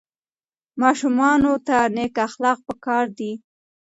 ماشومانو ته نیک اخلاق په کار دي.